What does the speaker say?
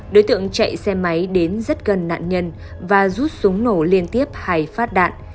đối tượng chạy xe máy đến rất gần nạn nhân và rút súng nổ liên tiếp hay phát đạn